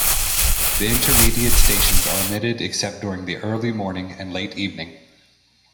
The intermediate stations are omitted except during the early morning and late evening.